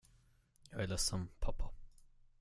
Jag är ledsen, pappa.